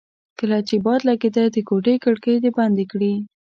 کله چې باد لګېده د کوټې کړکۍ دې بندې کړې.